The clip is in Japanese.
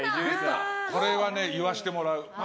これはね、言わしてもらう。